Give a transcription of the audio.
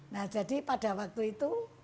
nah jadi pada waktu itu